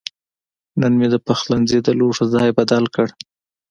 نن مې د پخلنځي د لوښو ځای بدل کړ.